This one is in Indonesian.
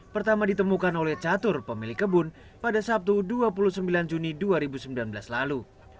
pertama ditemukan oleh catur pemilik kebun pada sabtu dua puluh sembilan juni dua ribu sembilan belas lalu